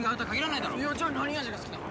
いやじゃあ何味が好きなの？